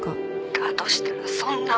「だとしたらそんなもん」